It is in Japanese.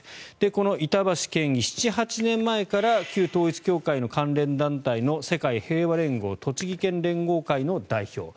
この板橋県議、７８年前から旧統一教会の関連団体の世界平和連合栃木県連合会の代表。